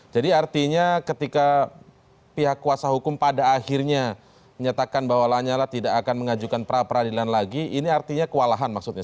jadi artinya ketika pihak kuasa hukum pada akhirnya menyatakan bahwa lanyala tidak akan mengajukan pra peradilan lagi ini artinya kewalahan maksudnya